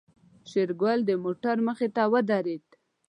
شېرګل د موټر مخې ته ودرېد.